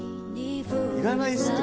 いらないですって